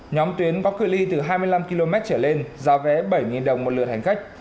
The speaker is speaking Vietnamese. nhóm tuyến có cựa ly từ hai mươi năm km trở lên giá vé bảy đồng một lượt hành khách